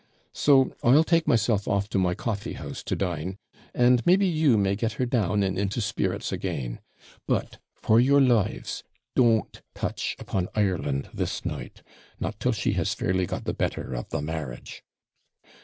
So I'll take myself off to my coffee house to dine, and maybe you may get her down and into spirits again. But, for your lives, don't touch upon Ireland the night, nor till she has fairly got the better of the marriage.